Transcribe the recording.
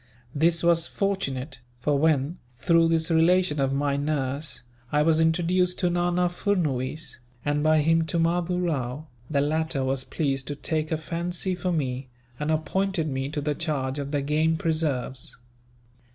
This was fortunate; for when, through this relation of my nurse, I was introduced to Nana Furnuwees, and by him to Mahdoo Rao, the latter was pleased to take a fancy for me, and appointed me to the charge of the game preserves.